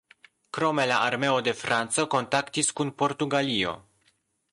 Krome la armeo de Franco kontaktis kun Portugalio.